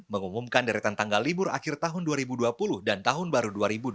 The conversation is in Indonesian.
mengumumkan deretan tanggal libur akhir tahun dua ribu dua puluh dan tahun baru dua ribu dua puluh